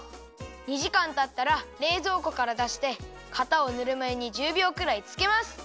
２じかんたったられいぞうこからだしてかたをぬるまゆに１０びょうくらいつけます。